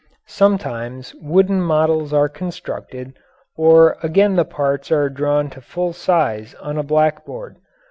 Sometimes wooden models are constructed or again the parts are drawn to full size on a blackboard.